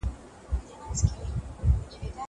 زه اوس پوښتنه کوم.